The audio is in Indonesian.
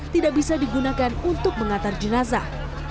tidak bisa digunakan untuk mengantar jenazah